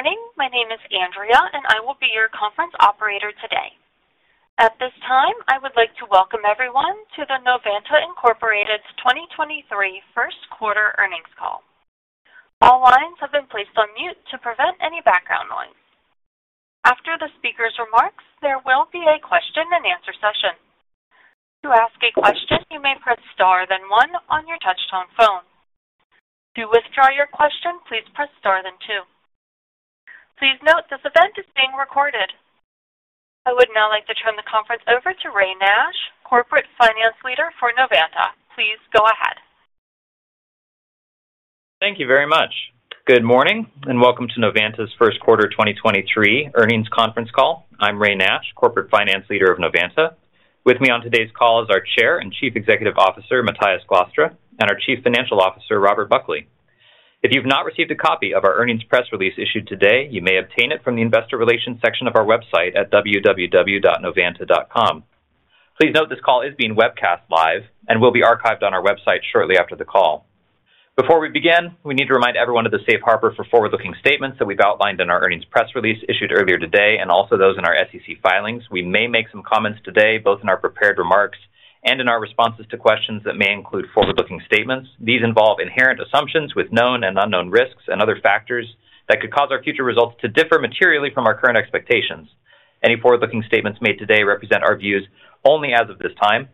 Morning. My name is Andrea, and I will be your conference operator today. At this time, I would like to welcome everyone to the Novanta Incorporated 2023 first quarter earnings call. All lines have been placed on mute to prevent any background noise. After the speaker's remarks, there will be a question-and-answer session. To ask a question, you may press star, then one on your touchtone phone. To withdraw your question, please press star, then two. Please note this event is being recorded. I would now like to turn the conference over to Ray Nash, Corporate Finance Leader for Novanta. Please go ahead. Thank you very much. Good morning, and welcome to Novanta's first quarter 2023 earnings conference call. I'm Ray Nash, Corporate Finance Leader of Novanta. With me on today's call is our Chair and Chief Executive Officer, Matthijs Glastra, and our Chief Financial Officer, Robert Buckley. If you've not received a copy of our earnings press release issued today, you may obtain it from the investor relations section of our website at www.novanta.com. Please note this call is being webcast live and will be archived on our website shortly after the call. Before we begin, we need to remind everyone of the safe harbor for forward-looking statements that we've outlined in our earnings press release issued earlier today, and also those in our SEC filings. We may make some comments today, both in our prepared remarks and in our responses to questions that may include forward-looking statements. These involve inherent assumptions with known and unknown risks and other factors that could cause our future results to differ materially from our current expectations. Any forward-looking statements made today represent our views only as of this time.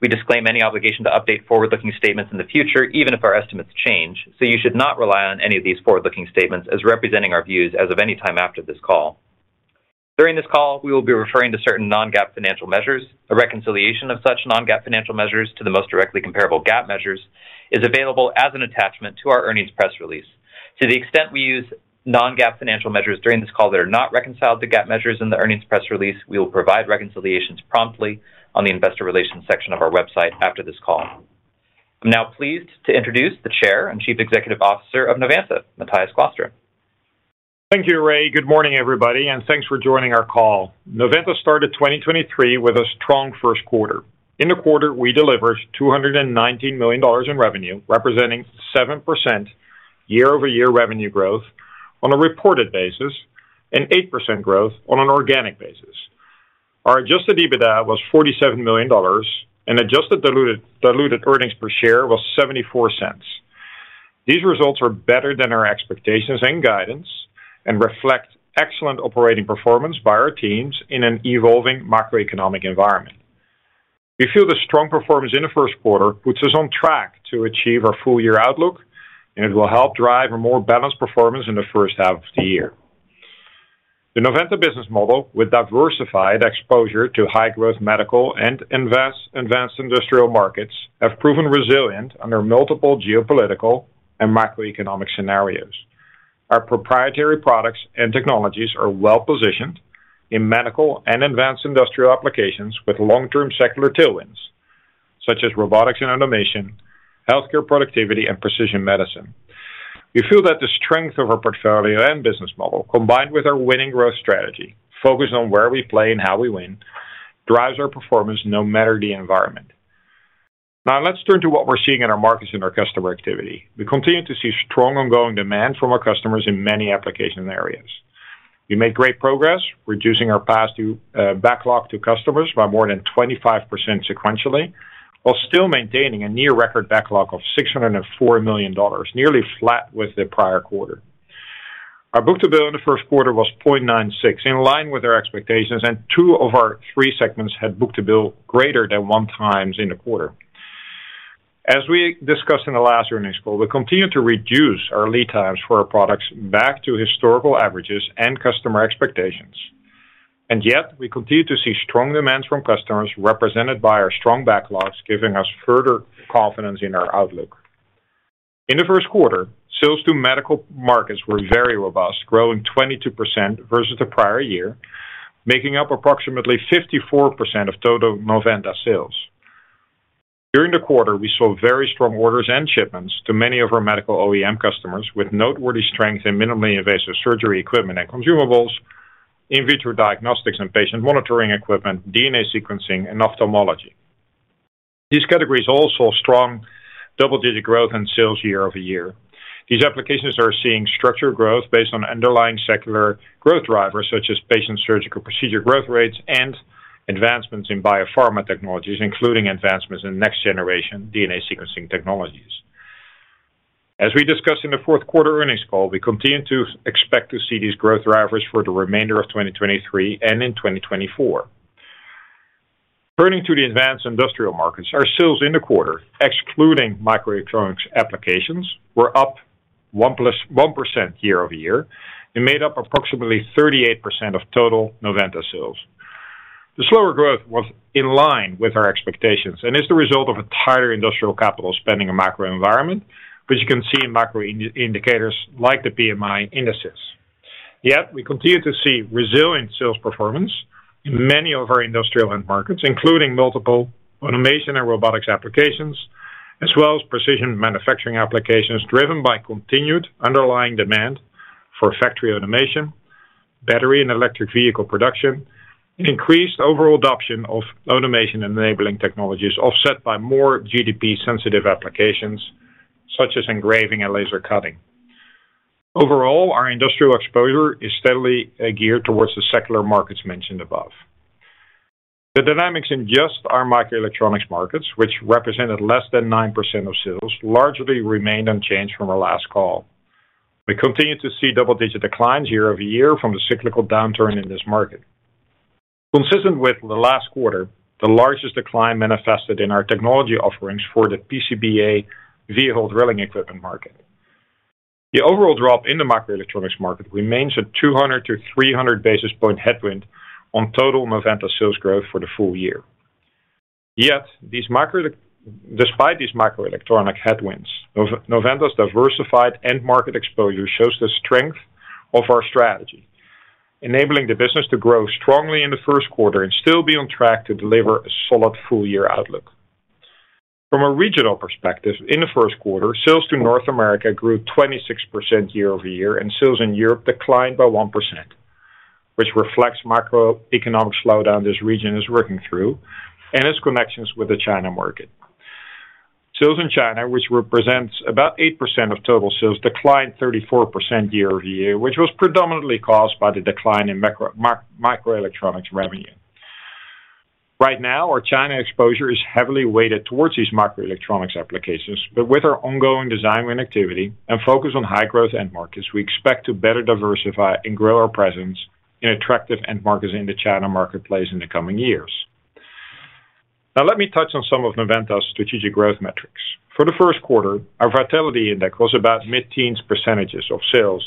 We disclaim any obligation to update forward-looking statements in the future, even if our estimates change, so you should not rely on any of these forward-looking statements as representing our views as of any time after this call. During this call, we will be referring to certain non-GAAP financial measures. A reconciliation of such non-GAAP financial measures to the most directly comparable GAAP measures is available as an attachment to our earnings press release. To the extent we use non-GAAP financial measures during this call that are not reconciled to GAAP measures in the earnings press release, we will provide reconciliations promptly on the investor relations section of our website after this call. I'm now pleased to introduce the Chair and Chief Executive Officer of Novanta, Matthijs Glastra. Thank you, Ray. Good morning, everybody, and thanks for joining our call. Novanta started 2023 with a strong first quarter. In the quarter, we delivered $219 million in revenue, representing 7% year-over-year revenue growth on a reported basis, and 8% growth on an organic basis. Our adjusted EBITDA was $47 million, and adjusted diluted earnings per share was $0.74. These results are better than our expectations and guidance and reflect excellent operating performance by our teams in an evolving macroeconomic environment. We feel the strong performance in the first quarter puts us on track to achieve our full-year outlook, and it will help drive a more balanced performance in the first half of the year. The Novanta business model, with diversified exposure to high-growth medical and advanced industrial markets, have proven resilient under multiple geopolitical and macroeconomic scenarios. Our proprietary products and technologies are well-positioned in medical and advanced industrial applications with long-term secular tailwinds, such as Robotics and Automation, healthcare productivity, and precision medicine. We feel that the strength of our portfolio and business model, combined with our winning growth strategy focused on where we play and how we win, drives our performance no matter the environment. Let's turn to what we're seeing in our markets and our customer activity. We continue to see strong ongoing demand from our customers in many application areas. We made great progress reducing our past due backlog to customers by more than 25% sequentially, while still maintaining a near record backlog of $604 million, nearly flat with the prior quarter. Our book-to-bill in the first quarter was 0.96, in line with our expectations. Two of our 3 segments had book-to-bill greater than 1 times in the quarter. As we discussed in the last earnings call, we continue to reduce our lead times for our products back to historical averages and customer expectations. Yet, we continue to see strong demand from customers represented by our strong backlogs, giving us further confidence in our outlook. In the first quarter, sales to medical markets were very robust, growing 22% versus the prior year, making up approximately 54% of total Novanta sales. During the quarter, we saw very strong orders and shipments to many of our medical OEM customers, with noteworthy strength in minimally invasive surgery equipment and consumables, in vitro diagnostics and patient monitoring equipment, DNA sequencing, and ophthalmology. These categories also saw strong double-digit growth in sales year-over-year. These applications are seeing structured growth based on underlying secular growth drivers, such as patient surgical procedure growth rates and advancements in biopharma technologies, including advancements in next-generation DNA sequencing technologies. As we discussed in the fourth quarter earnings call, we continue to expect to see these growth drivers for the remainder of 2023 and in 2024. Turning to the advanced industrial markets, our sales in the quarter, excluding microelectronics applications, were up 1% year-over-year and made up approximately 38% of total Novanta sales. The slower growth was in line with our expectations and is the result of a tighter industrial capital spending and macro environment, which you can see in macro indicators like the PMI indices. We continue to see resilient sales performance in many of our industrial end markets, including multiple automation and robotics applications, as well as precision manufacturing applications, driven by continued underlying demand for factory automation, battery and electric vehicle production increased overall adoption of automation-enabling technologies offset by more GDP-sensitive applications such as engraving and laser cutting. Overall, our industrial exposure is steadily geared towards the secular markets mentioned above. The dynamics in just our microelectronics markets, which represented less than 9% of sales, largely remained unchanged from our last call. We continue to see double-digit declines year-over-year from the cyclical downturn in this market. Consistent with the last quarter, the largest decline manifested in our technology offerings for the PCBA via drilling equipment market. The overall drop in the microelectronics market remains a 200-300 basis point headwind on total Novanta sales growth for the full year. Despite these microelectronic headwinds, Novanta's diversified end market exposure shows the strength of our strategy, enabling the business to grow strongly in the first quarter and still be on track to deliver a solid full-year outlook. From a regional perspective, in the first quarter, sales to North America grew 26% year-over-year, and sales in Europe declined by 1%, which reflects macroeconomic slowdown this region is working through and its connections with the China market. Sales in China, which represents about 8% of total sales, declined 34% year-over-year, which was predominantly caused by the decline in microelectronics revenue. Right now, our China exposure is heavily weighted towards these microelectronics applications, but with our ongoing design win activity and focus on high-growth end markets, we expect to better diversify and grow our presence in attractive end markets in the China marketplace in the coming years. Now let me touch on some of Novanta's strategic growth metrics. For the first quarter, our Vitality Index was about mid-teens% of sales,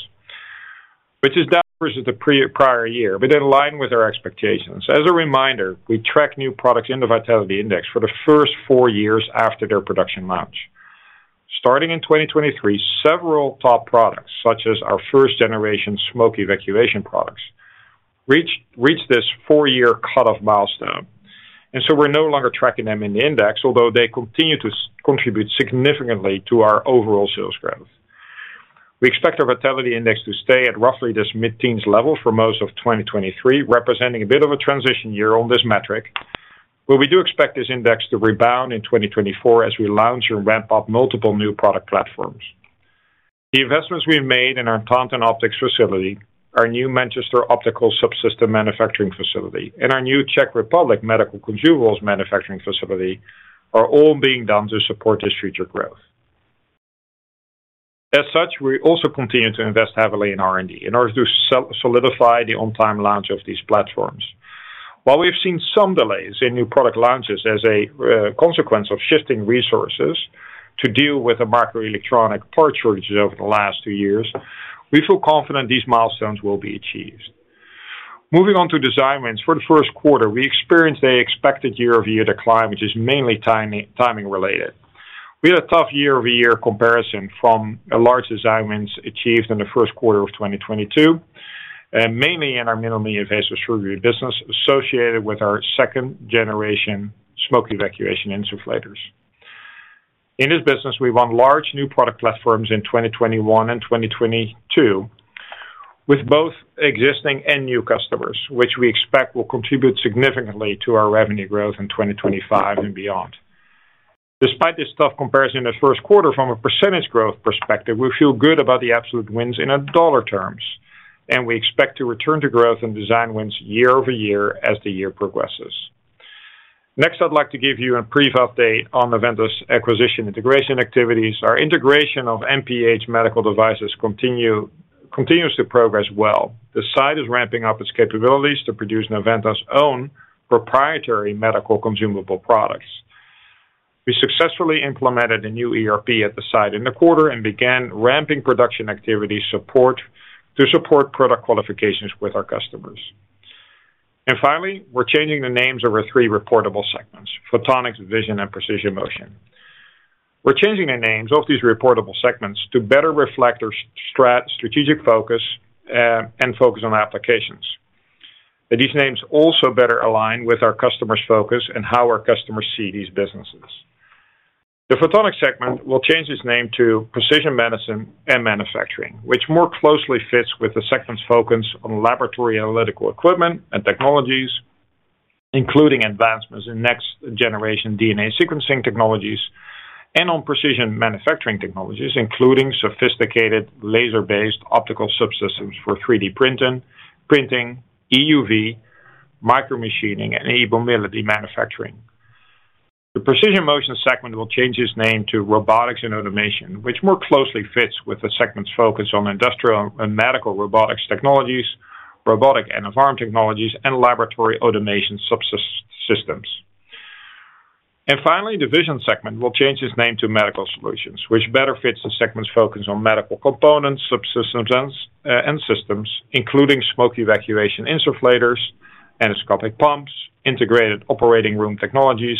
which is down versus the prior year, but in line with our expectations. As a reminder, we track new products in the Vitality Index for the first 4 years after their production launch. Starting in 2023, several top products, such as our first-generation smoke evacuation products, reached this 4-year cut-off milestone, and so we're no longer tracking them in the index, although they continue to contribute significantly to our overall sales growth. We expect our Vitality Index to stay at roughly this mid-teens level for most of 2023, representing a bit of a transition year on this metric, but we do expect this index to rebound in 2024 as we launch and ramp up multiple new product platforms. The investments we've made in our Taunton Optics facility, our new Manchester Optical subsystem manufacturing facility, and our new Czech Republic medical consumables manufacturing facility are all being done to support this future growth. As such, we also continue to invest heavily in R&D in order to so-solidify the on-time launch of these platforms. While we've seen some delays in new product launches as a consequence of shifting resources to deal with the microelectronic parts shortages over the last two years, we feel confident these milestones will be achieved. Moving on to design wins, for the first quarter, we experienced a expected year-over-year decline, which is mainly timing-related. We had a tough year-over-year comparison from a large design wins achieved in the first quarter of 2022, mainly in our minimally invasive surgery business associated with our second-generation smoke evacuation insufflators. In this business, we won large new product platforms in 2021 and 2022 with both existing and new customers, which we expect will contribute significantly to our revenue growth in 2025 and beyond. Despite this tough comparison in the 1st quarter from a percentage growth perspective, we feel good about the absolute wins in a dollar terms. We expect to return to growth and design wins year-over-year as the year progresses. Next, I'd like to give you a brief update on Novanta's acquisition integration activities. Our integration of NPH Medical Devices continues to progress well. The site is ramping up its capabilities to produce Novanta's own proprietary medical consumable products. We successfully implemented a new ERP at the site in the quarter and began ramping production activity support to support product qualifications with our customers. Finally, we're changing the names of our three reportable segments, Photonics, Vision, and Precision Motion. We're changing the names of these reportable segments to better reflect our strategic focus and focus on applications. These names also better align with our customers' focus and how our customers see these businesses. The Photonics segment will change its name to Precision Medicine and Manufacturing, which more closely fits with the segment's focus on laboratory analytical equipment and technologies, including advancements in next-generation DNA sequencing technologies and on precision manufacturing technologies, including sophisticated laser-based optical subsystems for 3D printing, EUV, micromachining, and enabling manufacturing. The Precision Motion segment will change its name to Robotics and Automation, which more closely fits with the segment's focus on industrial and medical robotics technologies, robotic end-of-arm technologies, and laboratory automation subsystems. Finally, the Vision segment will change its name to Medical Solutions, which better fits the segment's focus on medical components, subsystems and systems, including smoke evacuation insufflators, endoscopic pumps, integrated operating room technologies,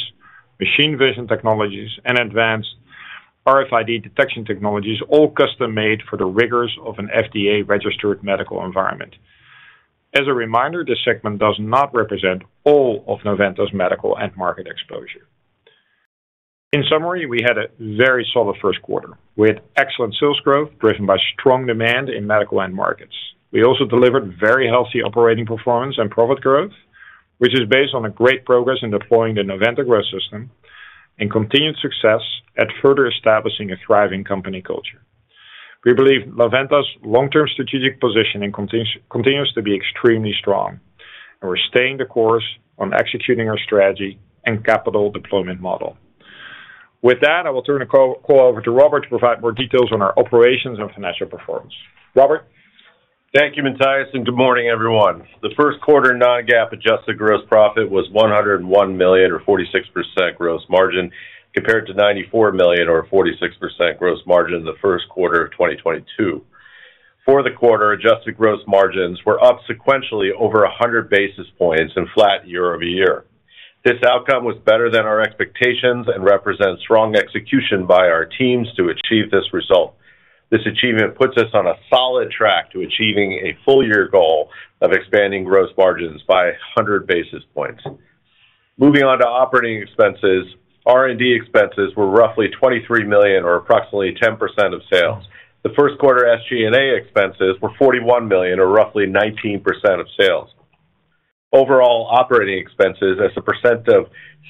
machine vision technologies, and advanced RFID detection technologies, all custom-made for the rigors of an FDA-registered medical environment. As a reminder, this segment does not represent all of Novanta's medical end market exposure. In summary, we had a very solid first quarter with excellent sales growth driven by strong demand in medical end markets. We also delivered very healthy operating performance and profit growth, which is based on a great progress in deploying the Novanta Growth System and continued success at further establishing a thriving company culture. We believe Novanta's long-term strategic position continues to be extremely strong, and we're staying the course on executing our strategy and capital deployment model. With that, I will turn the call over to Robert to provide more details on our operations and financial performance. Robert? Thank you, Matthijs. Good morning, everyone. The first quarter non-GAAP adjusted gross profit was $101 million or 46% gross margin, compared to $94 million or 46% gross margin in the first quarter of 2022. For the quarter, adjusted gross margins were up sequentially over 100 basis points and flat year-over-year. This outcome was better than our expectations and represents strong execution by our teams to achieve this result. This achievement puts us on a solid track to achieving a full year goal of expanding gross margins by 100 basis points. Moving on to operating expenses. R&D expenses were roughly $23 million or approximately 10% of sales. The first quarter SG&A expenses were $41 million or roughly 19% of sales. Overall operating expenses as a % of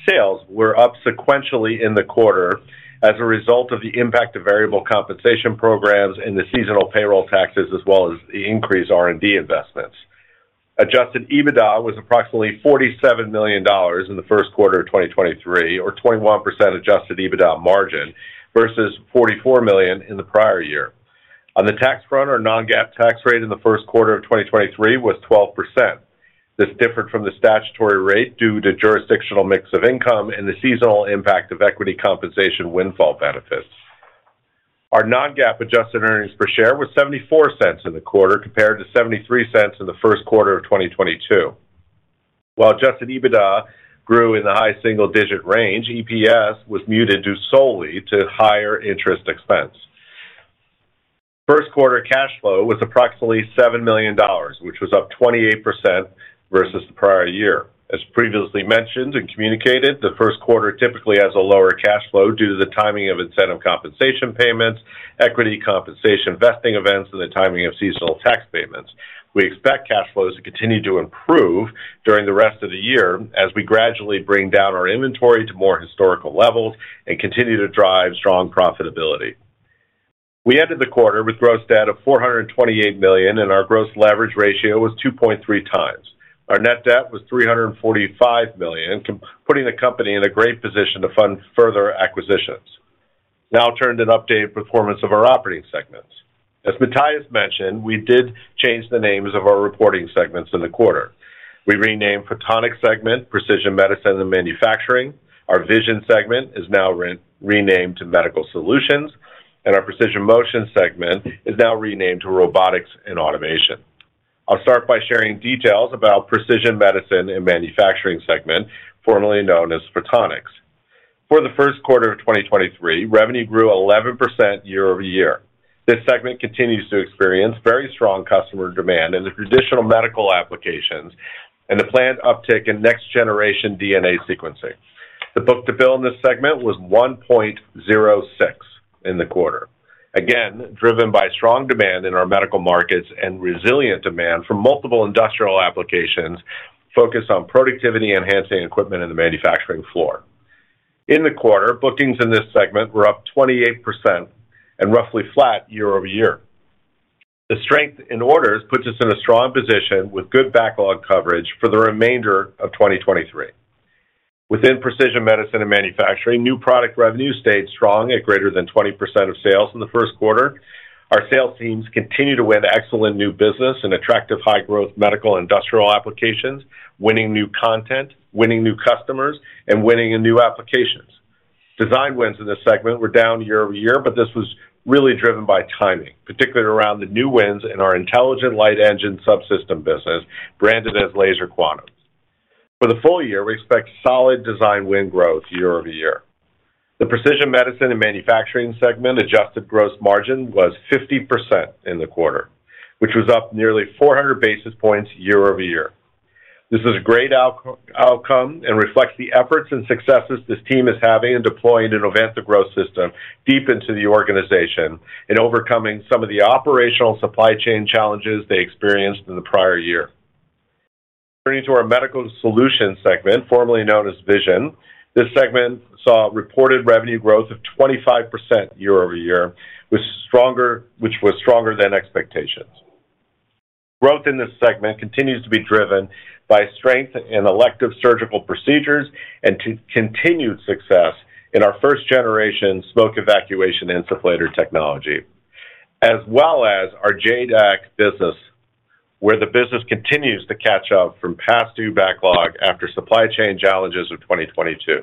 sales were up sequentially in the quarter as a result of the impact of variable compensation programs and the seasonal payroll taxes, as well as the increased R&D investments. Adjusted EBITDA was approximately $47 million in the first quarter of 2023 or 21% adjusted EBITDA margin versus $44 million in the prior year. On the tax front, our non-GAAP tax rate in the first quarter of 2023 was 12%. This differed from the statutory rate due to jurisdictional mix of income and the seasonal impact of equity compensation windfall benefits. Our non-GAAP adjusted earnings per share was $0.74 in the quarter compared to $0.73 in the first quarter of 2022. While adjusted EBITDA grew in the high single-digit range, EPS was muted due solely to higher interest expense. First quarter cash flow was approximately $7 million, which was up 28% versus the prior year. As previously mentioned and communicated, the first quarter typically has a lower cash flow due to the timing of incentive compensation payments, equity compensation vesting events, and the timing of seasonal tax payments. We expect cash flows to continue to improve during the rest of the year as we gradually bring down our inventory to more historical levels and continue to drive strong profitability. We ended the quarter with gross debt of $428 million, and our gross leverage ratio was 2.3x. Our net debt was $345 million, putting the company in a great position to fund further acquisitions. I'll turn to an update of performance of our operating segments. As Matthijs mentioned, we did change the names of our reporting segments in the quarter. We renamed Photonics segment Precision Medicine and Manufacturing. Our Vision segment is now renamed to Medical Solutions, and our Precision Motion segment is now renamed to Robotics and Automation. I'll start by sharing details about Precision Medicine and Manufacturing segment, formerly known as Photonics. For the first quarter of 2023, revenue grew 11% year-over-year. This segment continues to experience very strong customer demand in the traditional medical applications and the planned uptick in next-generation DNA sequencing. The book-to-bill in this segment was 1.06 in the quarter. Again, driven by strong demand in our medical markets and resilient demand from multiple industrial applications focused on productivity-enhancing equipment in the manufacturing floor. In the quarter, bookings in this segment were up 28% and roughly flat year-over-year. The strength in orders puts us in a strong position with good backlog coverage for the remainder of 2023. Within Precision Medicine and Manufacturing, new product revenue stayed strong at greater than 20% of sales in the first quarter. Our sales teams continue to win excellent new business and attractive high-growth medical industrial applications, winning new content, winning new customers, and winning in new applications. Design wins in this segment were down year-over-year, but this was really driven by timing, particularly around the new wins in our intelligent light engine subsystem business branded as Laser Quantum. For the full year, we expect solid design win growth year-over-year. The Precision Medicine and Manufacturing segment adjusted gross margin was 50% in the quarter, which was up nearly 400 basis points year-over-year. This is a great outcome and reflects the efforts and successes this team is having in deploying the Novanta Growth System deep into the organization in overcoming some of the operational supply chain challenges they experienced in the prior year. Turning to our Medical Solutions segment, formerly known as Vision. This segment saw reported revenue growth of 25% year-over-year, which was stronger than expectations. Growth in this segment continues to be driven by strength in elective surgical procedures and to continued success in our first-generation smoke evacuation insufflator technology, as well as our JADAK business, where the business continues to catch up from past due backlog after supply chain challenges of 2022.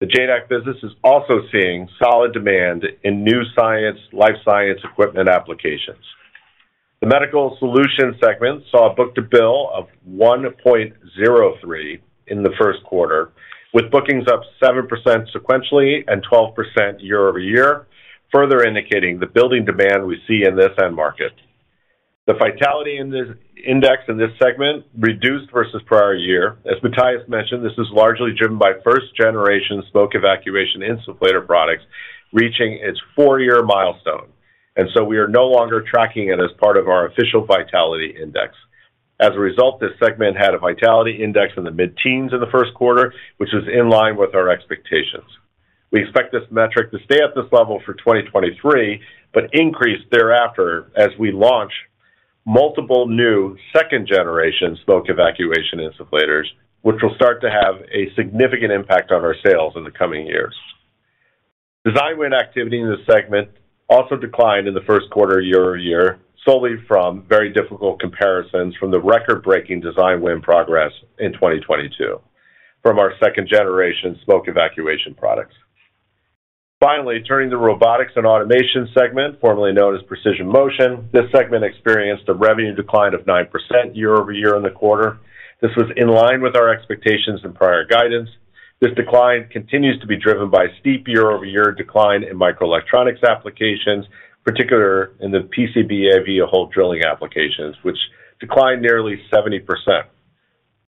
The JADAK business is also seeing solid demand in new science, life science equipment applications. The Medical Solutions segment saw a book-to-bill of 1.03 in the first quarter, with bookings up 7% sequentially and 12% year-over-year, further indicating the building demand we see in this end market. The Vitality Index in this segment reduced versus prior year. As Matthijs mentioned, this is largely driven by first-generation smoke evacuation insufflator products reaching its 4-year milestone. So we are no longer tracking it as part of our official Vitality Index. As a result, this segment had a Vitality Index in the mid-teens in the first quarter, which was in line with our expectations. We expect this metric to stay at this level for 2023, but increase thereafter as we launch multiple new second-generation smoke evacuation insufflators, which will start to have a significant impact on our sales in the coming years. Design win activity in this segment also declined in the first quarter year-over-year, solely from very difficult comparisons from the record-breaking design win progress in 2022 from our second-generation smoke evacuation products. Finally, turning to Robotics and Automation segment, formerly known as Precision Motion. This segment experienced a revenue decline of 9% year-over-year in the quarter. This was in line with our expectations and prior guidance. This decline continues to be driven by steep year-over-year decline in microelectronics applications, particular in the PCBA via hole drilling applications, which declined nearly 70%.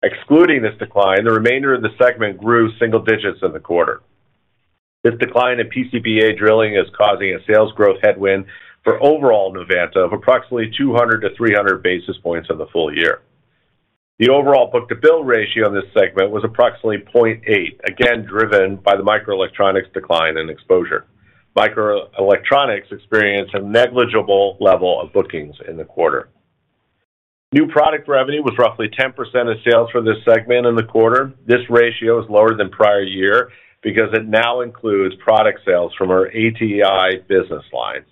Excluding this decline, the remainder of the segment grew single digits in the quarter. This decline in PCBA drilling is causing a sales growth headwind for overall Novanta of approximately 200-300 basis points in the full year. The overall book-to-bill ratio in this segment was approximately 0.8, again, driven by the microelectronics decline and exposure. Microelectronics experienced a negligible level of bookings in the quarter. New product revenue was roughly 10% of sales for this segment in the quarter. This ratio is lower than prior year because it now includes product sales from our ATI business lines,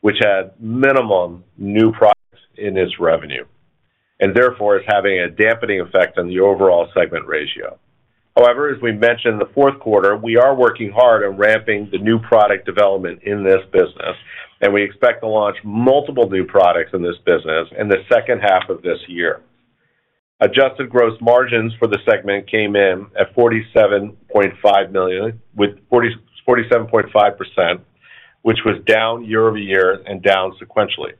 which had minimum new products in its revenue, and therefore is having a dampening effect on the overall segment ratio. However, as we mentioned in the fourth quarter, we are working hard on ramping the new product development in this business, and we expect to launch multiple new products in this business in the second half of this year. Adjusted gross margins for the segment came in at $47.5 million with 47.5%, which was down year-over-year and down sequentially.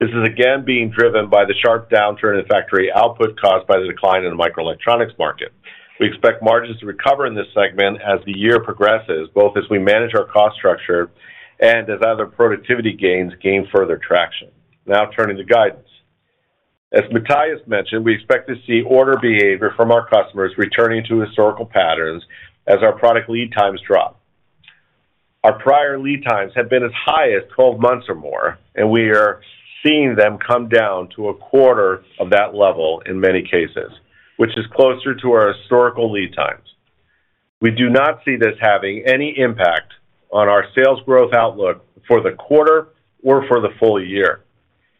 This is again being driven by the sharp downturn in factory output caused by the decline in the microelectronics market. We expect margins to recover in this segment as the year progresses, both as we manage our cost structure and as other productivity gains gain further traction. Turning to guidance. As Matthijs mentioned, we expect to see order behavior from our customers returning to historical patterns as our product lead times drop. Our prior lead times have been as high as 12 months or more, we are seeing them come down to a quarter of that level in many cases, which is closer to our historical lead times. We do not see this having any impact on our sales growth outlook for the quarter or for the full year.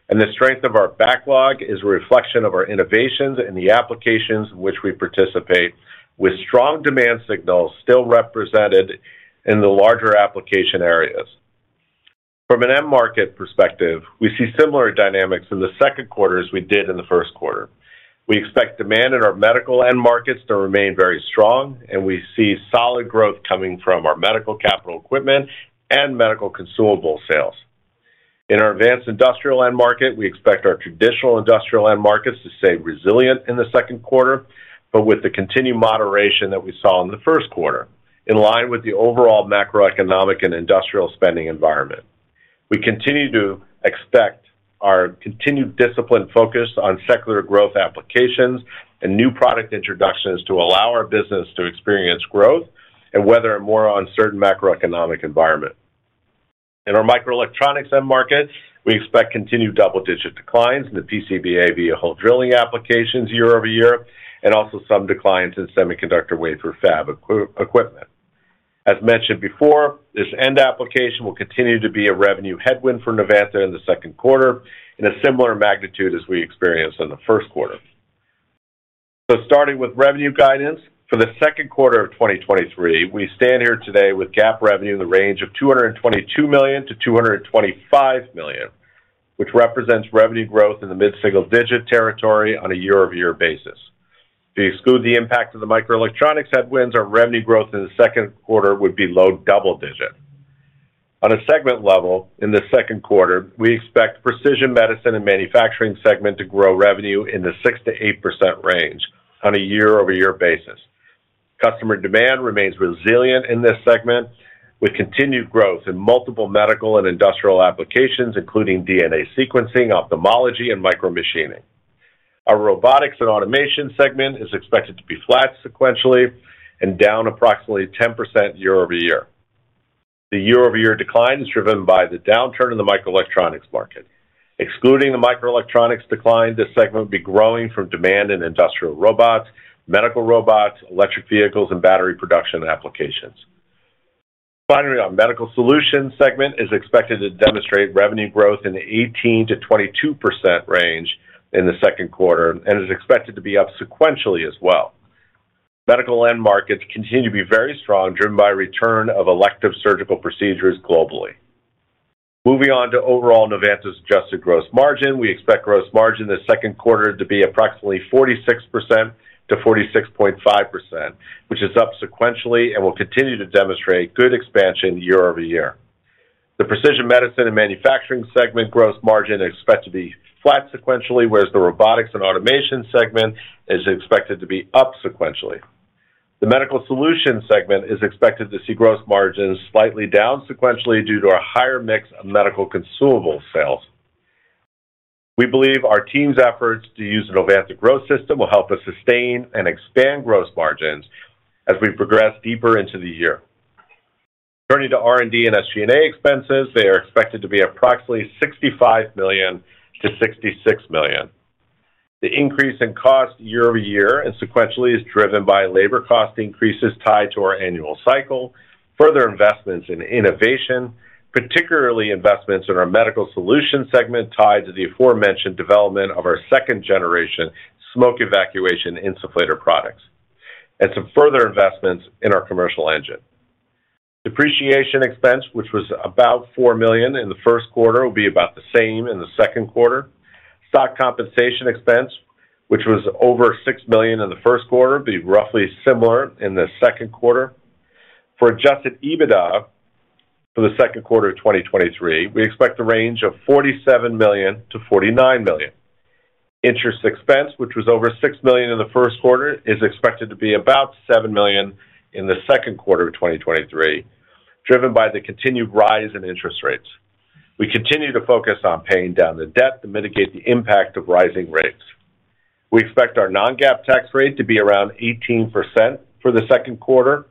The strength of our backlog is a reflection of our innovations in the applications in which we participate, with strong demand signals still represented in the larger application areas. From an end market perspective, we see similar dynamics in the second quarter as we did in the first quarter. We expect demand in our medical end markets to remain very strong, and we see solid growth coming from our medical capital equipment and medical consumable sales. In our advanced industrial end market, we expect our traditional industrial end markets to stay resilient in the second quarter, but with the continued moderation that we saw in the first quarter, in line with the overall macroeconomic and industrial spending environment. We continue to expect our continued disciplined focus on secular growth applications and New Product Introductions to allow our business to experience growth and weather a more uncertain macroeconomic environment. In our microelectronics end market, we expect continued double-digit declines in the PCBA via hole drilling applications year-over-year, also some declines in semiconductor wafer fab equipment. As mentioned before, this end application will continue to be a revenue headwind for Novanta in the second quarter in a similar magnitude as we experienced in the first quarter. Starting with revenue guidance. For the second quarter of 2023, we stand here today with GAAP revenue in the range of $222 million-$225 million, which represents revenue growth in the mid-single digit territory on a year-over-year basis. To exclude the impact of the microelectronics headwinds, our revenue growth in the second quarter would be low double digit. On a segment level, in the second quarter, we expect Precision Medicine and Manufacturing segment to grow revenue in the 6%-8% range on a year-over-year basis. Customer demand remains resilient in this segment with continued growth in multiple medical and industrial applications, including DNA sequencing, ophthalmology, and micromachining. Our Robotics and Automation segment is expected to be flat sequentially and down approximately 10% year-over-year. The year-over-year decline is driven by the downturn in the microelectronics market. Excluding the microelectronics decline, this segment will be growing from demand in industrial robots, medical robots, electric vehicles, and battery production applications. Finally, our Medical Solutions segment is expected to demonstrate revenue growth in the 18%-22% range in the second quarter and is expected to be up sequentially as well. Medical end markets continue to be very strong, driven by return of elective surgical procedures globally. Moving on to overall Novanta's adjusted gross margin. We expect gross margin this second quarter to be approximately 46%-46.5%. Which is up sequentially and will continue to demonstrate good expansion year-over-year. The Precision Medicine and Manufacturing segment gross margin is expected to be flat sequentially, whereas the Robotics and Automation segment is expected to be up sequentially. The Medical Solutions segment is expected to see gross margins slightly down sequentially due to a higher mix of medical consumable sales. We believe our team's efforts to use Novanta Growth System will help us sustain and expand gross margins as we progress deeper into the year. Turning to R&D and SG&A expenses, they are expected to be approximately $65 million-$66 million. The increase in cost year-over-year and sequentially is driven by labor cost increases tied to our annual cycle, further investments in innovation, particularly investments in our Medical Solutions segment tied to the aforementioned development of our second-generation smoke evacuation insufflator products, and some further investments in our commercial engine. Depreciation expense, which was about $4 million in the first quarter, will be about the same in the second quarter. Stock compensation expense, which was over $6 million in the first quarter, be roughly similar in the second quarter. For adjusted EBITDA for the second quarter of 2023, we expect a range of $47 million-$49 million. Interest expense, which was over $6 million in the first quarter, is expected to be about $7 million in the second quarter of 2023, driven by the continued rise in interest rates. We continue to focus on paying down the debt to mitigate the impact of rising rates. We expect our non-GAAP tax rate to be around 18% for the 2Q.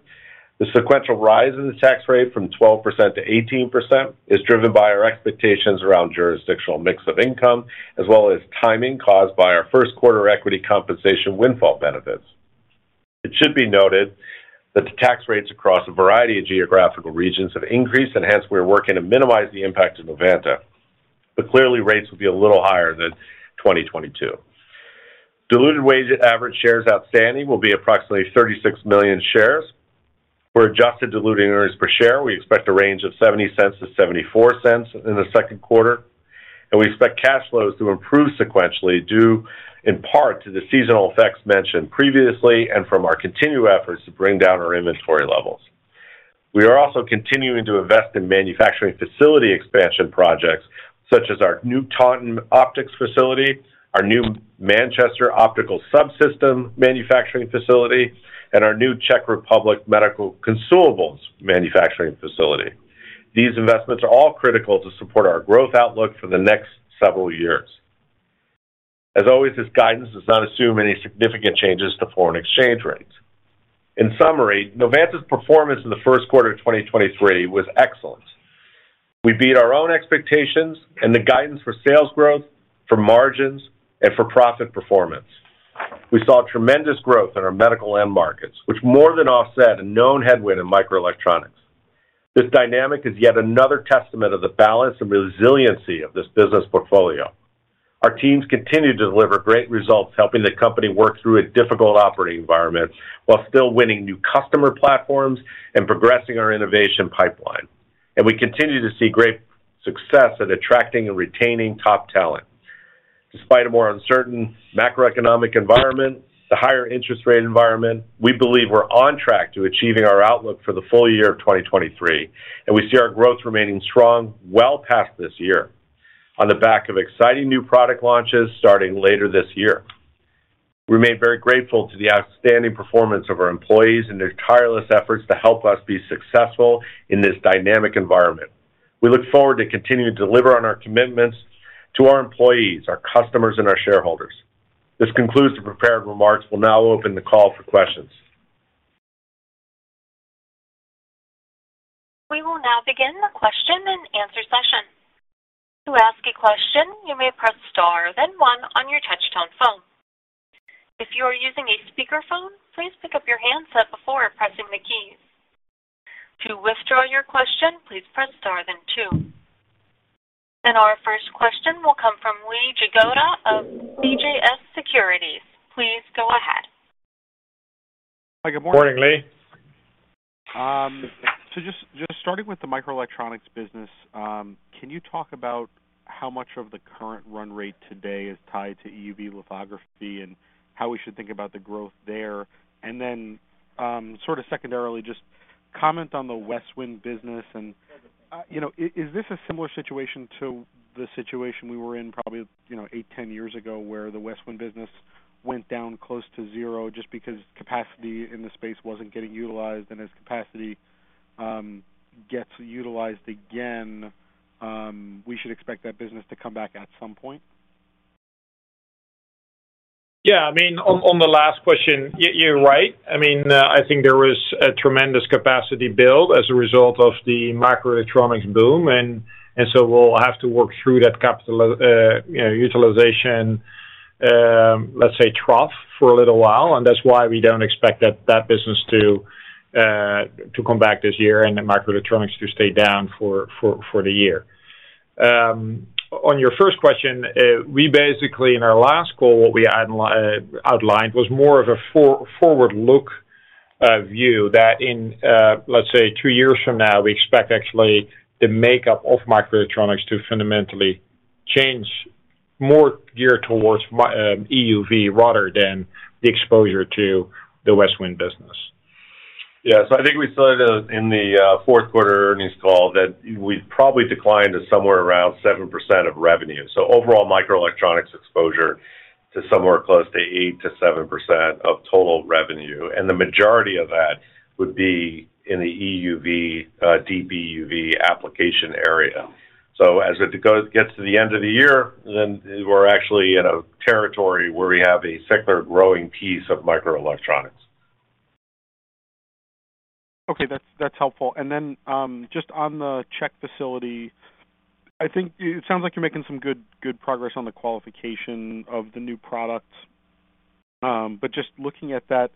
The sequential rise in the tax rate from 12%-18% is driven by our expectations around jurisdictional mix of income, as well as timing caused by our 1Q equity compensation windfall benefits. It should be noted that the tax rates across a variety of geographical regions have increased, hence we're working to minimize the impact of Novanta. Clearly, rates will be a little higher than 2022. Diluted weighted average shares outstanding will be approximately 36 million shares. For adjusted diluted earnings per share, we expect a range of $0.70-$0.74 in the second quarter. We expect cash flows to improve sequentially, due in part to the seasonal effects mentioned previously and from our continued efforts to bring down our inventory levels. We are also continuing to invest in manufacturing facility expansion projects such as our new Taunton optics facility, our new Manchester optical subsystem manufacturing facility, and our new Czech Republic medical consumables manufacturing facility. These investments are all critical to support our growth outlook for the next several years. As always, this guidance does not assume any significant changes to foreign exchange rates. In summary, Novanta's performance in the first quarter of 2023 was excellent. We beat our own expectations and the guidance for sales growth, for margins, and for profit performance. We saw tremendous growth in our medical end markets, which more than offset a known headwind in microelectronics. This dynamic is yet another testament of the balance and resiliency of this business portfolio. Our teams continue to deliver great results, helping the company work through a difficult operating environment while still winning new customer platforms and progressing our innovation pipeline. We continue to see great success at attracting and retaining top talent. Despite a more uncertain macroeconomic environment, the higher interest rate environment, we believe we're on track to achieving our outlook for the full year of 2023, and we see our growth remaining strong well past this year on the back of exciting new product launches starting later this year. We remain very grateful to the outstanding performance of our employees and their tireless efforts to help us be successful in this dynamic environment. We look forward to continuing to deliver on our commitments to our employees, our customers, and our shareholders. This concludes the prepared remarks. We'll now open the call for questions. We will now begin the question and answer session. To ask a question, you may press star then one on your touchtone phone. If you are using a speakerphone, please pick up your handset before pressing the keys. To withdraw your question, please press star then two. Our first question will come from Lee Jagoda of CJS Securities. Please go ahead. Good morning, Lee. Just, just starting with the microelectronics business, can you talk about how much of the current run rate today is tied to EUV lithography and how we should think about the growth there? Sort of secondarily, just comment on the Westwind business and, you know, is this a similar situation to the situation we were in probably, you know, 8, 10 years ago, where the Westwind business went down close to zero just because capacity in the space wasn't getting utilized? As capacity gets utilized again, we should expect that business to come back at some point. Yeah. I mean, on the last question, you're right. I mean, I think there was a tremendous capacity build as a result of the microelectronics boom. We'll have to work through that capital, you know, utilization, let's say, trough for a little while, and that's why we don't expect that business to come back this year and the microelectronics to stay down for the year. On your first question, we basically, in our last call, what we outlined was more of a for-forward look, view that in, let's say two years from now, we expect actually the makeup of microelectronics to fundamentally change. More geared towards EUV rather than the exposure to the Westwind business. Yes. I think we said in the fourth quarter earnings call that we've probably declined to somewhere around 7% of revenue. Overall microelectronics exposure to somewhere close to 8%-7% of total revenue, and the majority of that would be in the EUV, DUV application area. As it gets to the end of the year, we're actually in a territory where we have a secular growing piece of microelectronics. Okay. That's helpful. Then, just on the Czech facility, I think it sounds like you're making some good progress on the qualification of the new products. Just looking at that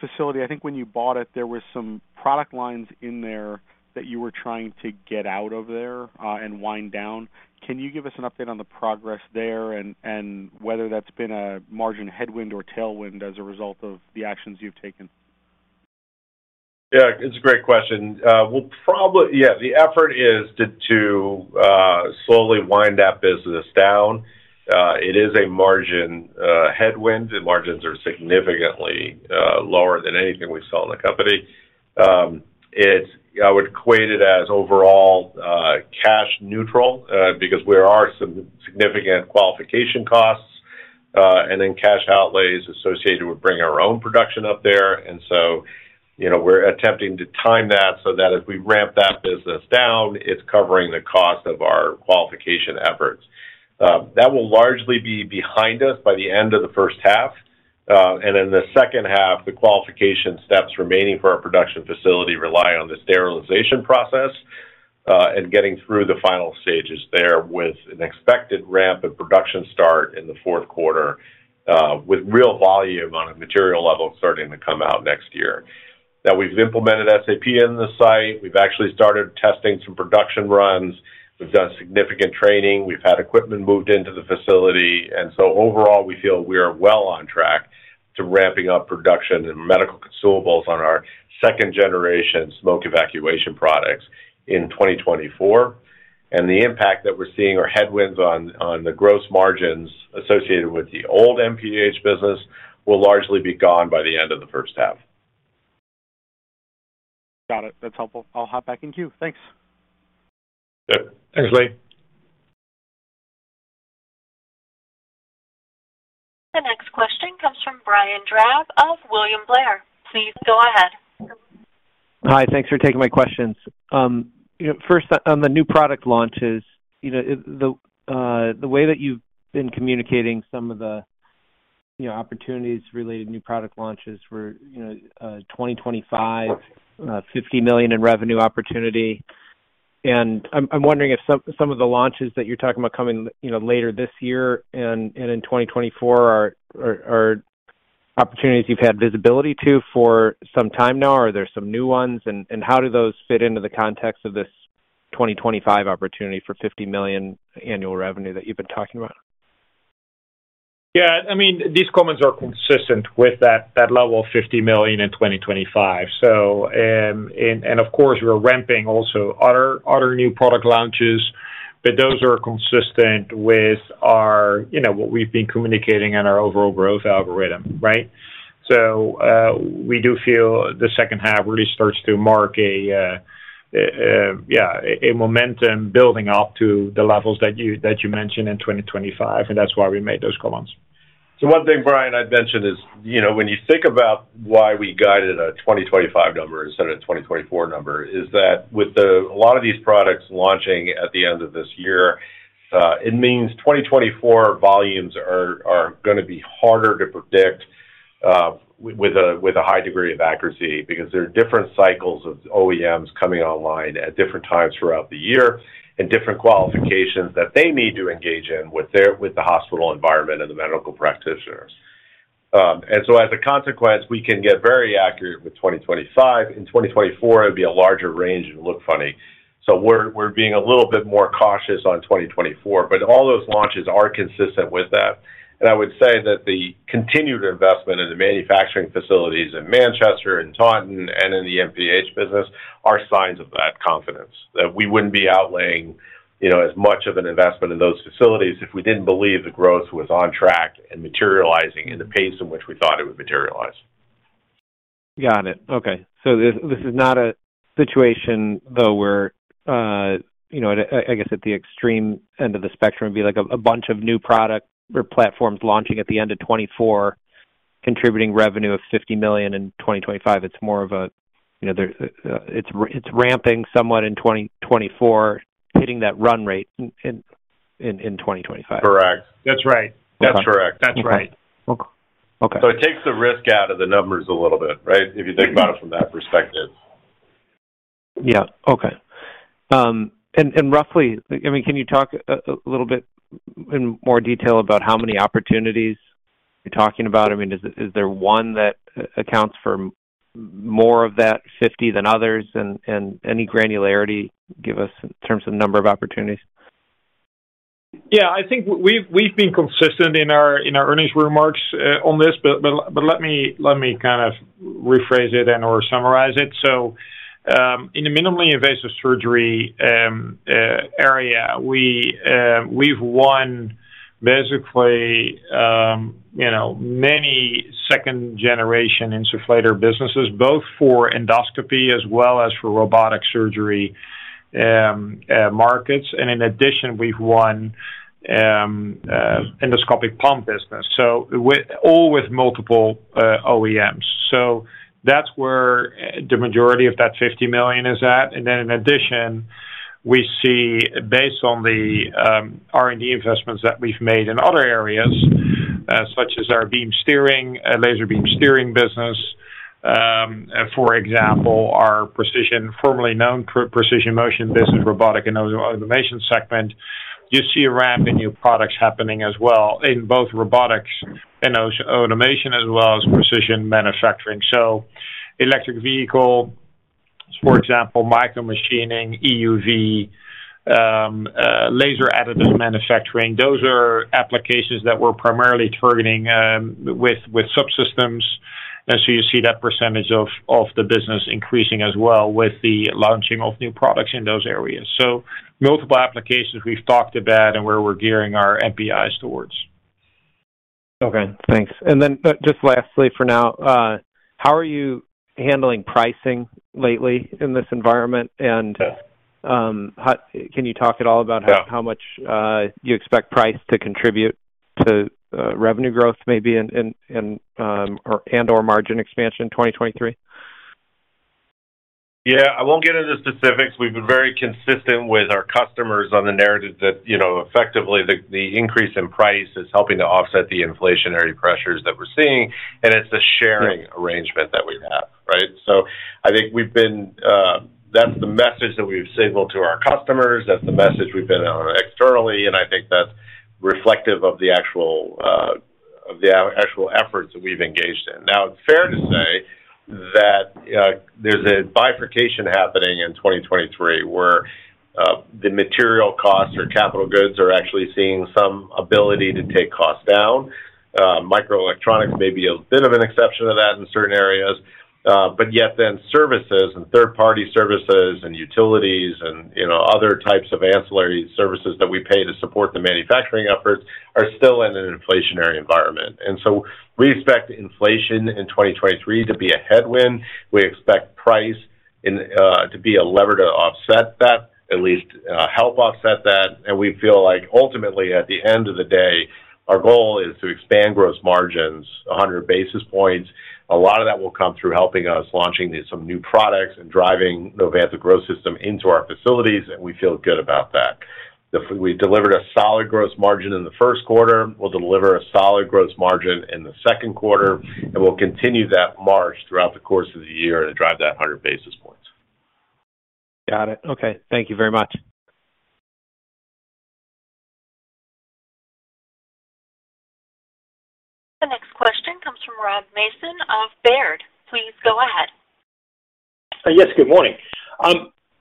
facility, I think when you bought it, there were some product lines in there that you were trying to get out of there and wind down. Can you give us an update on the progress there and whether that's been a margin headwind or tailwind as a result of the actions you've taken? Yeah, it's a great question. Yeah, the effort is to slowly wind that business down. It is a margin headwind. The margins are significantly lower than anything we saw in the company. It's I would equate it as overall cash neutral because there are some significant qualification costs and then cash outlays associated with bringing our own production up there. You know, we're attempting to time that so that as we ramp that business down, it's covering the cost of our qualification efforts. That will largely be behind us by the end of the first half. In the second half, the qualification steps remaining for our production facility rely on the sterilization process, and getting through the final stages there with an expected ramp and production start in the fourth quarter, with real volume on a material level starting to come out next year. Now we've implemented SAP in the site. We've actually started testing some production runs. We've done significant training. We've had equipment moved into the facility. overall, we feel we are well on track to ramping up production and medical consumables on our second generation smoke evacuation products in 2024. The impact that we're seeing or headwinds on the gross margins associated with the old NPH business will largely be gone by the end of the first half. Got it. That's helpful. I'll hop back in queue. Thanks. Yeah. Thanks, Lee. The next question comes from Brian Drab of William Blair. Please go ahead. Hi. Thanks for taking my questions. You know, first on the new product launches, you know, the way that you've been communicating some of the, you know, opportunities related to new product launches for, you know, 2025, $50 million in revenue opportunity, and I'm wondering if some of the launches that you're talking about coming, you know, later this year and in 2024 are opportunities you've had visibility to for some time now, are there some new ones, and how do those fit into the context of this 2025 opportunity for $50 million annual revenue that you've been talking about? I mean, these comments are consistent with that level of $50 million in 2025. And of course, we're ramping also other new product launches. Those are consistent with our, you know, what we've been communicating in our overall growth algorithm, right? We do feel the second half really starts to mark a momentum building up to the levels that you, that you mentioned in 2025, and that's why we made those comments. One thing, Brian, I'd mention is, you know, when you think about why we guided a 2025 number instead of a 2024 number, is that with a lot of these products launching at the end of this year, it means 2024 volumes are gonna be harder to predict with a high degree of accuracy because there are different cycles of OEMs coming online at different times throughout the year and different qualifications that they need to engage in with the hospital environment and the medical practitioners. As a consequence, we can get very accurate with 2025. In 2024, it would be a larger range. It'd look funny. We're being a little bit more cautious on 2024, but all those launches are consistent with that. I would say that the continued investment in the manufacturing facilities in Manchester and Taunton and in the NPH business are signs of that confidence. We wouldn't be outlaying, you know, as much of an investment in those facilities if we didn't believe the growth was on track and materializing in the pace in which we thought it would materialize. Got it. Okay. This, this is not a situation, though, where, you know, I guess at the extreme end of the spectrum, it'd be like a bunch of new product or platforms launching at the end of 2024, contributing revenue of $50 million in 2025. It's more of a, you know, it's ramping somewhat in 2024, hitting that run rate in 2025. Correct. That's right. That's correct. That's right. Okay. Okay. It takes the risk out of the numbers a little bit, right? If you think about it from that perspective. Yeah. Okay. Roughly, I mean, can you talk a little bit in more detail about how many opportunities you're talking about? I mean, is there one that accounts for more of that 50 than others? Any granularity give us in terms of number of opportunities? Yeah, I think we've been consistent in our earnings remarks on this, but let me Rephrase it and or summarize it. In the minimally invasive surgery area, we've won basically, you know, many second-generation insufflator businesses, both for endoscopy as well as for robotic surgery markets. In addition, we've won endoscopic pump business. All with multiple OEMs. That's where the majority of that $50 million is at. In addition, we see based on the R&D investments that we've made in other areas, such as our beam steering, laser beam steering business, for example, our precision, formerly known Precision Motion business Robotics and Automation segment. You see a ramp in new products happening as well in both Robotics and auto-automation as well as precision manufacturing. Electric vehicle, for example, micromachining, EUV, laser additive manufacturing. Those are applications that we're primarily targeting with subsystems. You see that percentage of the business increasing as well with the launching of new products in those areas. Multiple applications we've talked about and where we're gearing our NPIs towards. Okay, thanks. Just lastly for now, how are you handling pricing lately in this environment? Can you talk at all about how much you expect price to contribute to revenue growth maybe in and/or margin expansion in 2023? Yeah, I won't get into specifics. We've been very consistent with our customers on the narrative that, you know, effectively, the increase in price is helping to offset the inflationary pressures that we're seeing, and it's a sharing arrangement that we have, right? I think we've been, that's the message that we've signaled to our customers, that's the message we've been on externally, and I think that's reflective of the actual efforts that we've engaged in. Now, it's fair to say that there's a bifurcation happening in 2023, where the material costs or capital goods are actually seeing some ability to take costs down. Microelectronics may be a bit of an exception to that in certain areas, but yet then services and third-party services and utilities and, you know, other types of ancillary services that we pay to support the manufacturing efforts are still in an inflationary environment. We expect inflation in 2023 to be a headwind. We expect price in to be a lever to offset that, at least, help offset that. We feel like ultimately at the end of the day, our goal is to expand gross margins 100 basis points. A lot of that will come through helping us launching these some new products and driving Novanta Growth System into our facilities, and we feel good about that. We delivered a solid gross margin in the first quarter. We'll deliver a solid gross margin in the second quarter, and we'll continue that march throughout the course of the year to drive that 100 basis points. Got it. Okay. Thank you very much. The next question comes from Rob Mason of Baird. Please go ahead. Yes, good morning.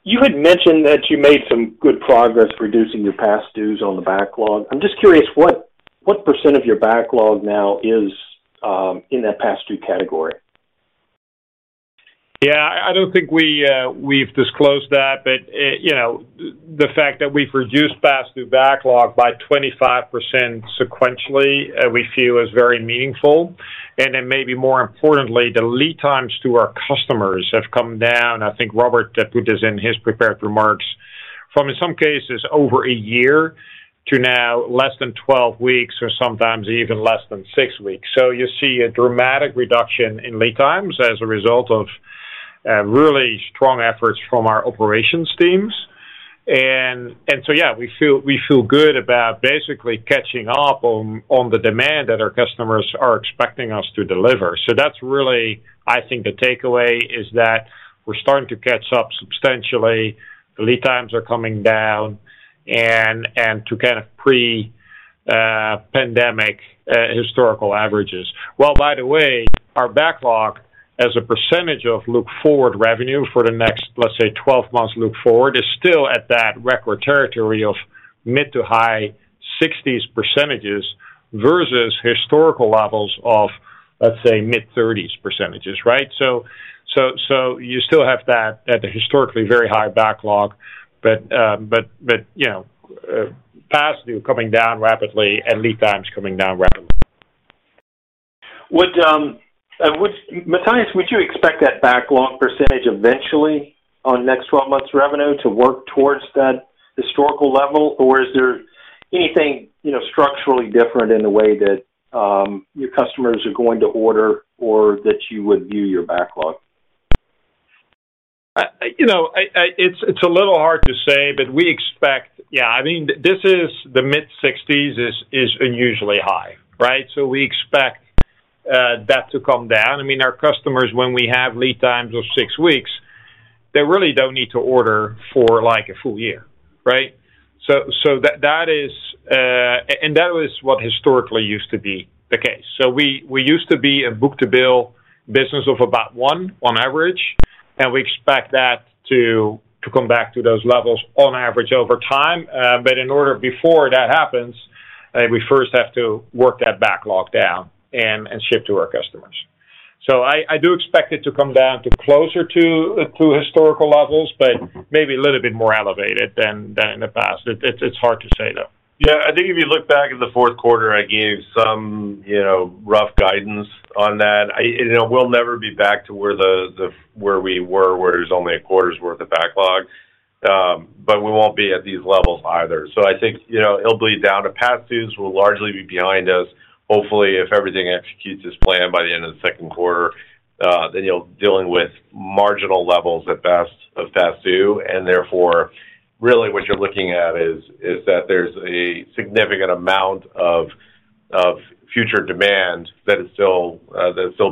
You had mentioned that you made some good progress reducing your past dues on the backlog. I'm just curious what % of your backlog now is in that past due category? Yeah. I don't think we've disclosed that, but, you know, the fact that we've reduced past due backlog by 25% sequentially, we feel is very meaningful. Maybe more importantly, the lead times to our customers have come down. I think Robert put this in his prepared remarks, from in some cases over a year to now less than 12 weeks or sometimes even less than 6 weeks. You see a dramatic reduction in lead times as a result of really strong efforts from our operations teams. Yeah, we feel, we feel good about basically catching up on the demand that our customers are expecting us to deliver. That's really, I think, the takeaway is that we're starting to catch up substantially. Lead times are coming down and to kind of pre-pandemic historical averages. Well, by the way, our backlog as a percentage of look-forward revenue for the next, let's say, 12 months look-forward, is still at that record territory of mid- to high-60s% versus historical levels of, let's say, mid-30s%. Right? You still have that at the historically very high backlog. But, you know, past due coming down rapidly and lead times coming down rapidly. Would Matthijs, would you expect that backlog percentage eventually on next 12 months revenue to work towards that historical level? Or is there anything, you know, structurally different in the way that your customers are going to order or that you would view your backlog? you know, it's a little hard to say, but we expect. Yeah, I mean, this is the mid-sixties is unusually high, right? We expect that to come down. I mean, our customers, when we have lead times of six weeks, they really don't need to order for like a full year, right? That is. That was what historically used to be the case. We used to be a book-to-bill business of about 1 on average, and we expect that to come back to those levels on average over time. In order before that happens, we first have to work that backlog down and ship to our customers. I do expect it to come down to closer to historical levels, but maybe a little bit more elevated than in the past. It's hard to say, though. Yeah. I think if you look back at the fourth quarter, I gave some, you know, rough guidance on that. You know, we'll never be back to where the where we were, where it was only a quarter's worth of backlog, but we won't be at these levels either. I think, you know, it'll bleed down to past dues. We'll largely be behind us. Hopefully, if everything executes as planned by the end of the second quarter, then you're dealing with marginal levels at best of past due, and therefore really what you're looking at is that there's a significant amount of future demand that is still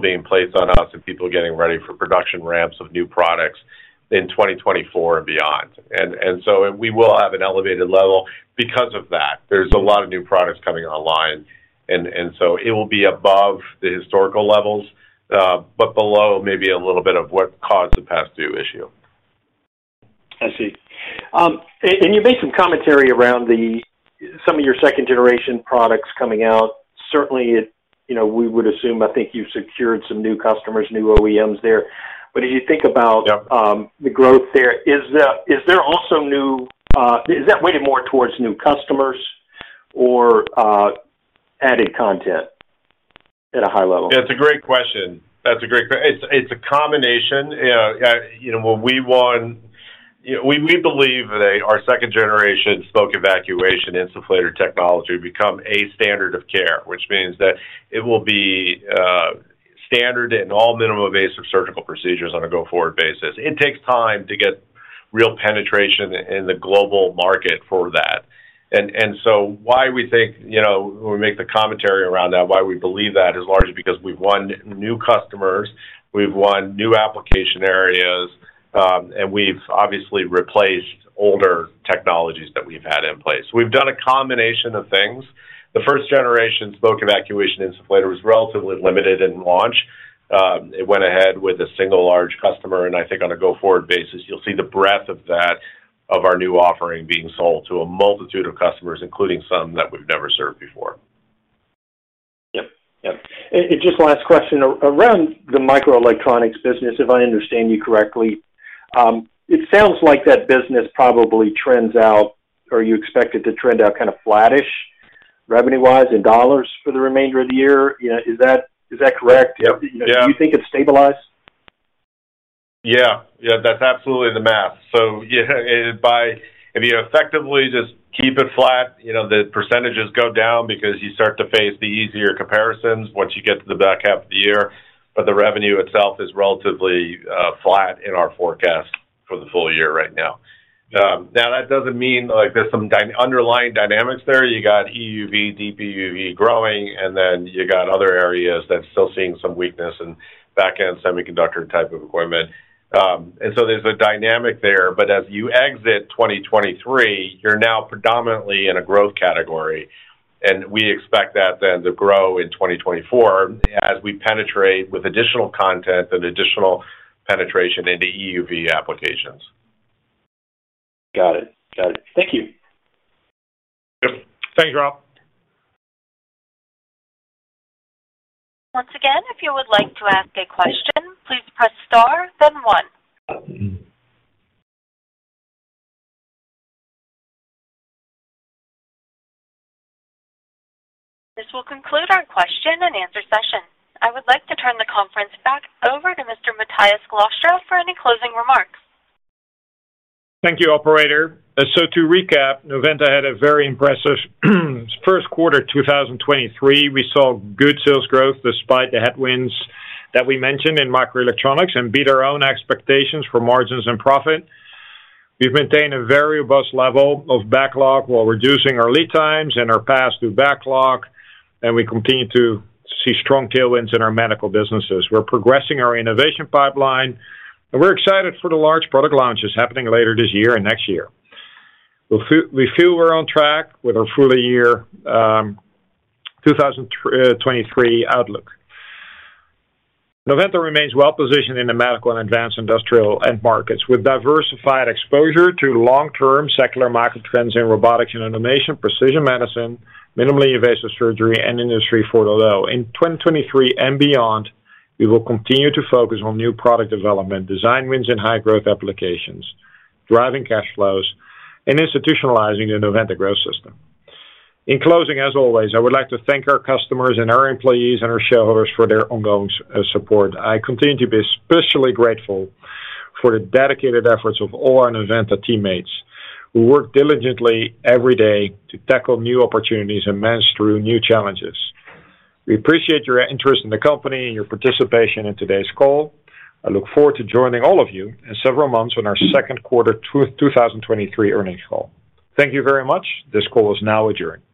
being placed on us and people are getting ready for production ramps of new products in 2024 and beyond. We will have an elevated level because of that. There's a lot of new products coming online and so it will be above the historical levels, but below maybe a little bit of what caused the past due issue. I see. You made some commentary around some of your second generation products coming out. Certainly, You know, we would assume, I think you've secured some new customers, new OEMs there. As you think about. Yep. The growth there, is there also new? Is that weighted more towards new customers or added content at a high level? That's a great question. It's a combination. you know, when we believe that our second-generation smoke evacuation insufflator technology become a standard of care, which means that it will be standard in all minimally invasive surgical procedures on a go-forward basis. It takes time to get real penetration in the global market for that. Why we think, you know, we make the commentary around that, why we believe that is largely because we've won new customers, we've won new application areas, and we've obviously replaced older technologies that we've had in place. We've done a combination of things. The first generation smoke evacuation insufflator was relatively limited in launch. It went ahead with a one large customer. I think on a go-forward basis, you'll see the breadth of that, of our new offering being sold to a multitude of customers, including some that we've never served before. Yep. Yep. Just last question around the microelectronics business, if I understand you correctly, it sounds like that business probably trends out, or you expect it to trend out kind of flattish revenue-wise in dollars for the remainder of the year. You know, is that correct? Yep. Yeah. Do you think it's stabilized? Yeah. Yeah. That's absolutely the math. Yeah, if you effectively just keep it flat, you know, the percentages go down because you start to face the easier comparisons once you get to the back half of the year. The revenue itself is relatively flat in our forecast for the full year right now. Now that doesn't mean like there's some underlying dynamics there. You got EUV, DUV growing, and then you got other areas that's still seeing some weakness in back-end semiconductor type of equipment. There's a dynamic there. As you exit 2023, you're now predominantly in a growth category, and we expect that then to grow in 2024 as we penetrate with additional content and additional penetration into EUV applications. Got it. Got it. Thank you. Yep. Thanks, Rob. Once again, if you would like to ask a question, please press star then one. This will conclude our question and answer session. I would like to turn the conference back over to Mr. Matthijs Glastra for any closing remarks. Thank you, operator. To recap, Novanta had a very impressive first quarter 2023. We saw good sales growth despite the headwinds that we mentioned in microelectronics and beat our own expectations for margins and profit. We've maintained a very robust level of backlog while reducing our lead times and our pass-due backlog. We continue to see strong tailwinds in our medical businesses. We're progressing our innovation pipeline. We're excited for the large product launches happening later this year and next year. We feel we're on track with our full year 2023 outlook. Novanta remains well positioned in the medical and advanced industrial end markets with diversified exposure to long-term secular market trends in Robotics and Automation, precision medicine, minimally invasive surgery, and Industry 4.0. In 2023 and beyond, we will continue to focus on new product development, design wins in high growth applications, driving cash flows, and institutionalizing the Novanta Growth System. In closing, as always, I would like to thank our customers and our employees and our shareholders for their ongoing support. I continue to be especially grateful for the dedicated efforts of all our Novanta teammates, who work diligently every day to tackle new opportunities and manage through new challenges. We appreciate your interest in the company and your participation in today's call. I look forward to joining all of you in several months on our second quarter 2, 2023 earnings call. Thank you very much. This call is now adjourned.